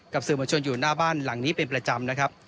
สื่อมวลชนอยู่หน้าบ้านหลังนี้เป็นประจำนะครับ